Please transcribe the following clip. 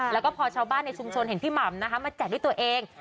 แล้วก็พอชาวบ้านในชุมชนเห็นพี่หม่ำนะคะมาแจกด้วยตัวเอง